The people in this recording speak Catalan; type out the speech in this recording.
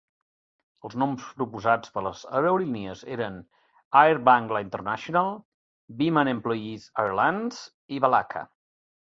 Els noms proposats per a les aerolínies eren "Air Bangla International", "Biman Employees Airlines" i "Balaka".